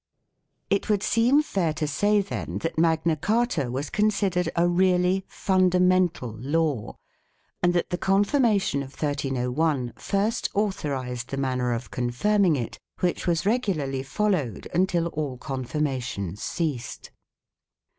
It would seem fair to say, then, that Magna Carta was considered a really "fundamental law"; and that the confirmation of 1301 first authorized the manner of confirming it which was regularly followed until all confirmations ceased.